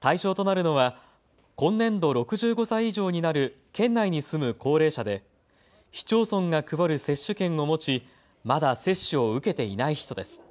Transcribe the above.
対象となるのは今年度６５歳以上になる県内に住む高齢者で市町村が配る接種券を持ち、まだ接種を受けていない人です。